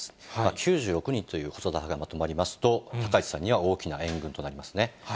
９６人という細田派がまとまりますと、高市さんには大きな援軍となりますね。